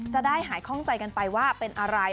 จะได้หายคล่องใจกันไปว่าเป็นอะไร